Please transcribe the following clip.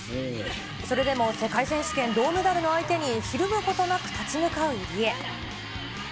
それでも世界選手権銅メダルの相手に、ひるむことなく立ち向かう入江。